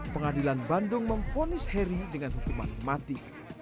pengadilan bandung memfonis heri dengan hukuman mati